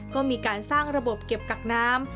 ก็มีการสร้างระบบเก็บกักน้ำ